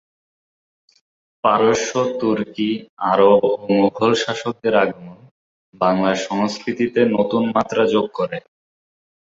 পারস্য, তুর্কি, আরব ও মুঘল শাসকদের আগমন বাংলার সংস্কৃতিতে নতুন মাত্রা যোগ করে।